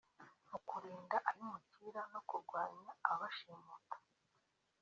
mu kurinda abimukira no kurwanya ababashimuta